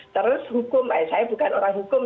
terus hukum saya bukan orang hukum